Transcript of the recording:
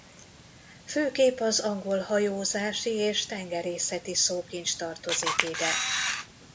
Főképp az angol hajózási és tengerészeti szókincs tartozik ide.